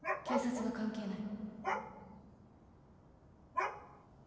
警察は関係ない。